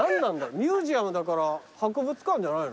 ミュージアムだから博物館じゃないの？